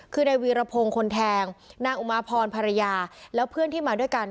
คือในวีรพงศ์คนแทงนางอุมาพรภรรยาแล้วเพื่อนที่มาด้วยกัน